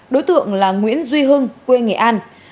đối tượng là nguyễn duy hưng quê nghệ an